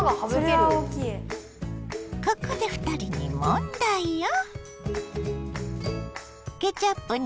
ここで２人に問題よ。